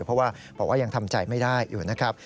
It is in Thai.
เพราะว่าบอกว่ายังทำใจไม่ได้อยู่นะครับ